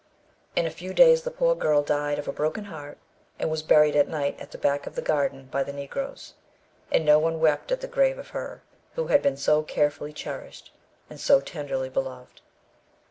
In a few days the poor girl died of a broken heart, and was buried at night at the back of the garden by the Negroes; and no one wept at the grave of her who had been so carefully cherished, and so tenderly beloved.